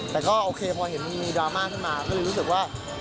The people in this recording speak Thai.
แต่ก็โอเคพอเห็นมีดราม่าขึ้นมาก็เลยรู้สึกว่า